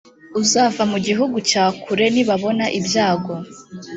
uzava mu gihugu cya kure nibabona ibyago